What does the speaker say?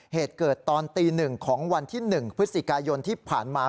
เหตุเกิดตอนตี๑ของวันที่๑พฤศจิกายนที่ผ่านมา